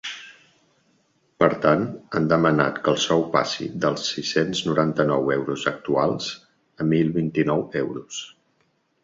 Per tant, han demanant que el sou passi dels sis-cents noranta-un euros actuals a mil vint-i-nou euros.